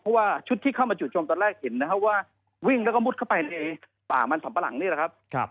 เพราะว่าชุดที่เข้ามาจุดชมตอนแรกเห็นนะครับว่าวิ่งแล้วก็มุดเข้าไปในป่ามันสำปะหลังนี่แหละครับ